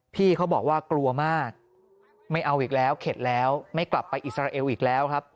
พี่เขาบอกว่ากลัวมากไม่เอาอีกแล้วเข็ดแล้วไม่กลับไปอิสราเอลอีกแล้วครับ